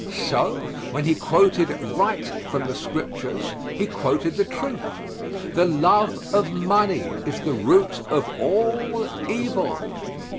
So, when he quoted right from the Scriptures he quoted the truth. "The love of money is the root of all evil."